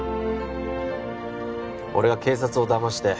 俺が警察をだまして